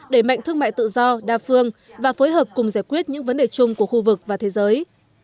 để mạnh thương mại tự do đa phương và phối hợp cùng giải quyết những vấn đề chung của khu vực và thế giới